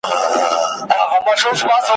ستا نصیحت مي له کرداره سره نه جوړیږي ,